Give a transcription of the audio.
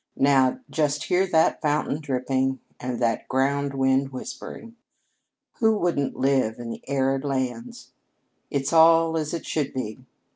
Now, just hear that fountain dripping and that ground wind whispering! Who wouldn't live in the arid lands? It's all as it should be.